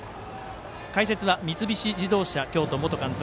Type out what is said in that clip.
解説は三菱自動車京都元監督